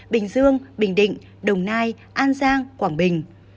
bình dương bình định đồng nai an giang quảng bình